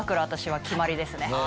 私は決まりですね